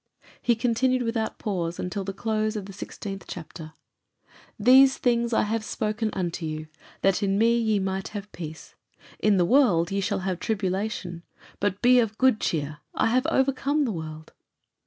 He continued without pause to the close of the sixteenth chapter, "These things I have spoken unto you, that in me ye might have peace. In the world ye shall have tribulation: but be of good cheer; I have overcome the world."